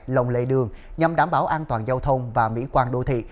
lồng lây đường nhằm đảm bảo an toàn giao thông và mỹ quan đô thị